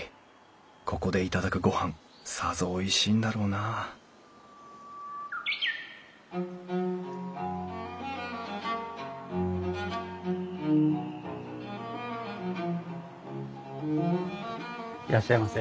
ここで頂くごはんさぞおいしいんだろうないらっしゃいませ。